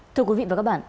thưa quý vị và các bạn